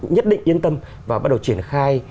nhất định yên tâm và bắt đầu triển khai